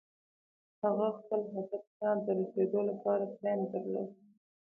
هغه خپل هدف ته د رسېدو لپاره پلان درلود.